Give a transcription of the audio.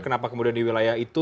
kenapa kemudian di wilayah itu